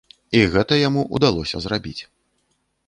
І гэта яму ўдалося зрабіць.